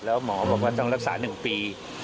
แล้วหมอบอกว่าต้องรักษา๑ปี